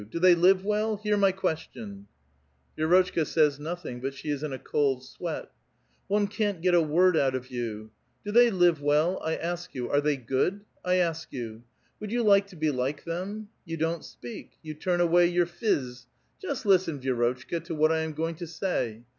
Do they live well? Hear my question !" Vi^rotchka says nothing, but she is in a cold sweat. " One can't git a word out of 3^ou ! Do they live well? I ask you. Are they good ? I ask you. Would you like to be like them ? You don't speak ! You turn away your phiz ! Just listen, Vi^rotchka, to what I am going to say